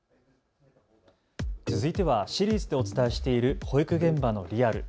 続いてはシリーズでお伝えしている保育現場のリアル。